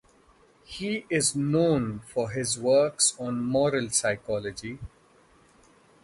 He is known for his works on moral psychology.